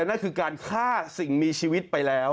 นั่นคือการฆ่าสิ่งมีชีวิตไปแล้ว